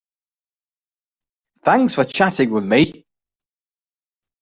Thanks for chatting with me.